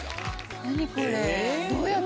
何これ！